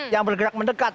yang bergerak mendekat